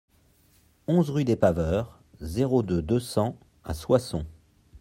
onze rue des Paveurs, zéro deux, deux cents à Soissons